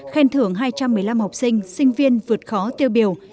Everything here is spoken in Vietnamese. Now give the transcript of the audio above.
khen thưởng hai trăm một mươi năm học sinh sinh viên vượt khó tiêu biểu